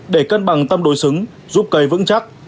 để cân bằng tâm đối xứng giúp cây vững chắc